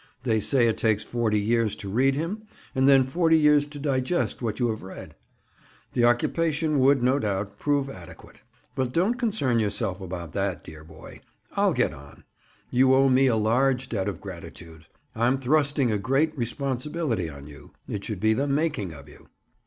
They say it takes forty years to read him and then forty years to digest what you have read. The occupation would, no doubt, prove adequate. But don't concern yourself about that, dear boy. I'll get on. You owe me a large debt of gratitude. I'm thrusting a great responsibility on you. It should be the making of you."